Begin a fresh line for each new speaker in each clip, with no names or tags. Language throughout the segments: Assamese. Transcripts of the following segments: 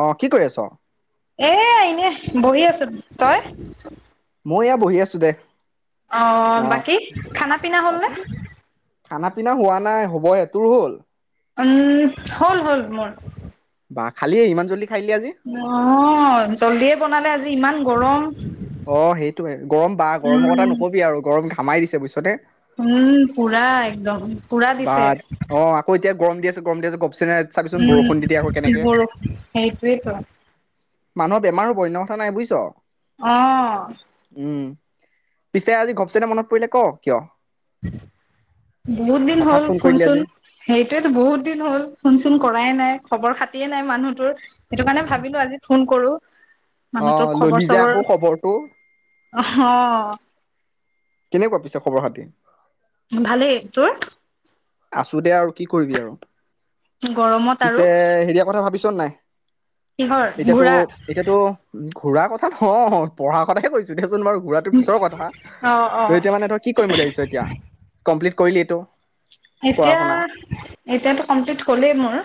অ 'কি কৰি আছ?
এ এনে বহি আছো তই?
মই এয়া বহি আছো দে!
অ বাকী খানা পিনা হ'লনে?
বাকী খানা পিনা হোৱা নাই হ'ব হে তোৰ হ'ল?
উম হ'ল হ'ল মোৰ।
বা খালি ইমান জল্ডি
অ 'জল্দিয়ে বনালে আজি। ইমান গৰম।
অ' সেইটোয়ে গৰম বা গৰমৰ কথা
উম
নকবি আৰু গৰম। [unintelligible] দিছে বুইছনে।
উম পুৰা একদম। পুৰা
বা
দিছে
অ' আকৌ এতিয়া গৰম দি আছে গৰম দি আছে ঘপ
উম বৰষুণ সেইটোৱেটো
মানুহৰ বেমাৰ হব অন্য কথা নাই বুজিছ।
অ'
উম। পিছে আজি ঘপচেনে মনত পৰিলে ক কিয়?
[inaudible] বহুত দিন
হঠাৎ
হ'ল
ফোন কৰিলি
ফোনচোন
আজি?
সেইটোয়েতো বহুত দিন হ'ল ফোন চোন কৰ উপাই নাই খবৰ খাতিয়ে নাই মানুহ তোৰ সেইটো কাৰণে ভাবিলো আজি ফোন কৰো
অ
মানুহটোৰ খবৰ
ললি যে
চবৰ
আকৌ খবৰটো
অ
কেনেকুৱা পিছে খবৰ খাতি
ভালেই তোৰ
আছো দে আৰু কি কৰিবি আৰু
গৰমত আৰু
পিছে হেৰিয়াৰ কথা ভাবিছ ছন নাই
কিহৰ
এতিয়াতো
ঘূৰা
এতিয়াতো উ ঘূৰাৰ কথা নহয় পঢ়াৰ কথাই কৈছো দে চোন বাৰু ঘূৰাতো পিছৰ কথা
অ অ
ত এতিয়া মানে তই কি কৰিম বুলি ভাবিছ এতিয়া কমপ্লিত কৰিলি ত
এতিয়া এতিয়াতো কমপ্লিট হ'লেই মোৰ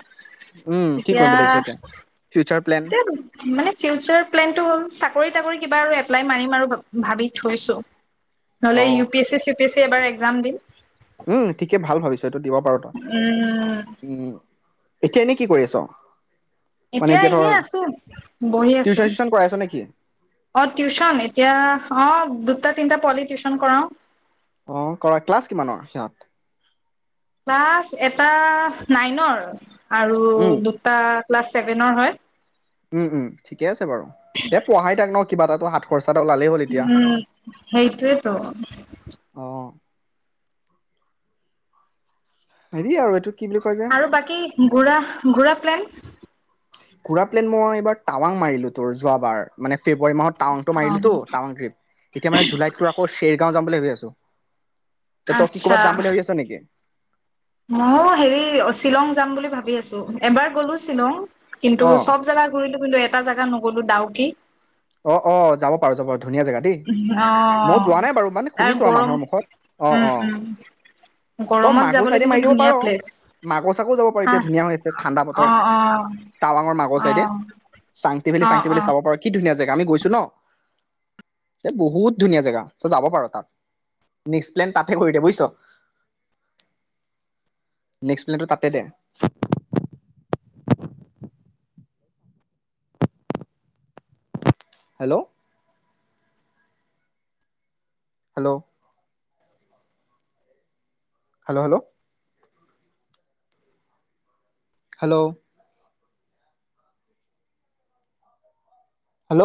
উম কি কৰিম
এতিয়া
বুলি ভাবিছ ফিউচাৰ প্লেন
এতিয়া মানে ফিউচাৰ প্লেন টো হ'ল চাক চাকৰি তাকৰি কিবা আৰু এপ্লাই মাৰিম আৰু ভাবি থৈছো
অ
নহলে ইউ পি এছ চি চিউ পি এছ চি এবাৰ এক একজাম দিম
উম ঠিকে ভাল ভাৱিছ সেইটো দিব পাৰ ত
উম
উম্ উম্ এতিয়া এনেই কি কৰি আছ মানে
এতিয়া
ধৰ
এনেই আছো বহি আছো
টিউচন চিউচন কৰাই আছ নেকি
অ টিউচন এতিয়া অ দুটা তিনিটা পোৱলি টিউশচন কৰাওঁ
অ কৰা ক্লাছ কিমানৰ সিহঁত
ক্লাছ এটা নাইনৰ আৰু
উম
দুটা ক্লাছ ছেভেনৰ হয়
উম উম ঠিকে আছে বাৰু এ পঢ়াই থাক ন কিবা এটা হাত খৰচ
উম সেইটোৱেই তো
অ হেৰি আৰু এইটো কি বুলি কয় যে
আৰু বাকী ঘূৰা ঘূৰা প্লেন
ঘূৰা প্লেন মই এইবাৰ টাৱাং মাৰিলো তোৰ যোৱাবাৰ মানে ফেব্ৰুৱাৰী মাহত টাৱাংটো মাৰিলো তো টাৱাং ত্ৰিপ এতিয়া মানে জুলাইত তো আকৌ চেৰগাঁও যাম [unintelligible] আছো তে তই কি
আচ্ছা
কৰ'বাত যাম বুলি ভাবি আছ নেকি
ময়ো হেৰি শ্বিলং যাম বুলি ভাবি আছো এবাৰ গলো শ্বিলং কিন্তু
অ
চব জোগা ঘূৰিলো কিন্তু এ এটা জোগা নগলো ডাউকী
অ অ যাব পাৰো যাব পাৰ ধুনীয়া জেগা দেই
অ
মই যোৱা নাই বাৰু মানে শুনিছো আৰু মানুহৰ মুখত অ
উম
অ
উম
তই
গৰমত
মাগুৰ
যাবলৈ
চাইডে
কিন্তু
মাৰি দিব পাৰ
ধুনীয়া প্লেচ
মাগুৰ চাগো যাব পাৰি
হা
এতিয়া ধুনীয়া আছে ঠাণ্ডা
অ
বতৰ
অ
টাৱাঙৰ মাগুৰ
অ
চাইডে চাংটি ভেলি
অ
চাংটি
অ
ভেলী চাব পাৰ কি ধুনীয়া জেগা আমি গৈছো ন বহুত ধুনীয়া জেগা তই যাব পাৰ তাত নেক্স প্লেন তাতে কৰি দে বুজিছ নেক্সট প্লেটৰ তাতে দে hello hello hello hello hello hello